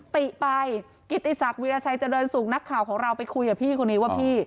ติไปกิติศักดิราชัยเจริญสุขนักข่าวของเราไปคุยกับพี่คนนี้ว่าพี่